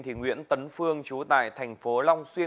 nguyễn tấn phương trú tại thành phố long xuyên